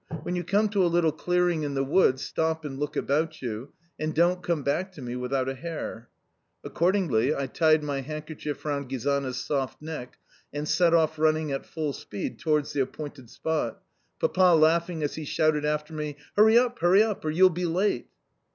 When you come to a little clearing in the wood stop and look about you, and don't come back to me without a hare." Accordingly I tied my handkerchief round Gizana's soft neck, and set off running at full speed towards the appointed spot, Papa laughing as he shouted after me, "Hurry up, hurry up or you'll be late!"